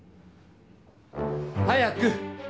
早く！